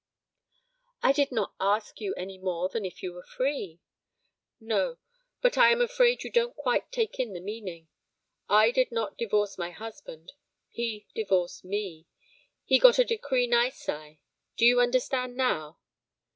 'I did not ask you any more than if you were free!' 'No, but I am afraid you don't quite take in the meaning. I did not divorce my husband, he divorced me, he got a decree nisi; do you understand now?